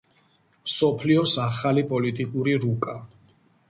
მსოფლიოს ახალი პოლიტიკური რუკა